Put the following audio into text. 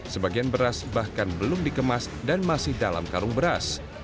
sebagian beras bahkan belum dikemas dan masih dalam karung beras